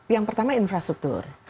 yang pertama infrastruktur